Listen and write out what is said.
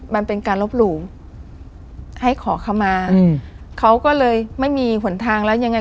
มันเป็นการลบหลู่ให้ขอเข้ามาเขาก็เลยไม่มีหนทางแล้วยังไง